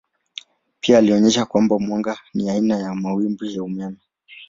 Pia alionyesha kwamba mwanga ni aina ya mawimbi ya umeme.